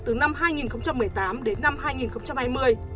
từ năm hai nghìn một mươi tám đến năm